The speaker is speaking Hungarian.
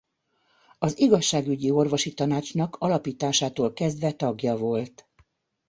Az igazságügyi orvosi tanácsnak alapításától kezdve tagja volt.